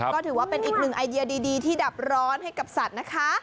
ก็ถือว่าเป็นอีกหนึ่งไอเดียดีที่ดับร้อนให้กับสัตว์นะคะ